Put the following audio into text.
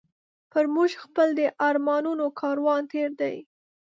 پر موږ خپل د ارمانونو کاروان تېر دی